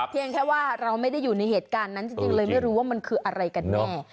แค่ว่าเราไม่ได้อยู่ในเหตุการณ์นั้นจริงเลยไม่รู้ว่ามันคืออะไรกันแน่